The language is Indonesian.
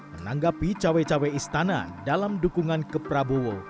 menanggapi cawe cawe istana dalam dukungan ke prabowo